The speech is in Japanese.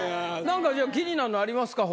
何か気になるのありますか？